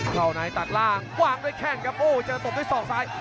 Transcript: เข้านายตัดล่างว่างด้วยแค่งครับโอ้จะตบด้วยสองซ้าย